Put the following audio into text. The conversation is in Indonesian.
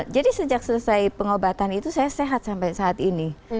jadi sejak selesai pengobatan itu saya sehat sampai saat ini